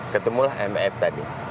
ketemulah map tadi